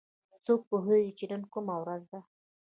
څوک پوهیږي چې نن کومه ورځ ده